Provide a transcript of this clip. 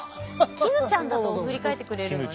「絹ちゃん」だと振り返ってくれるんだね。